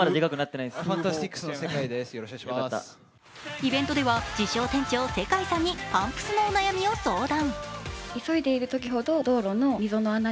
イベントでは自称店長・世界さんにパンプスのお悩みを相談。